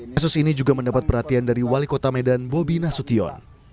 kasus ini juga mendapat perhatian dari wali kota medan bobi nasution